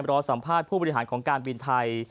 รอสัมภาษณ์ผู้บริหารของการบินไทย